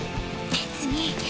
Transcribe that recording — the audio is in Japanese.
別に。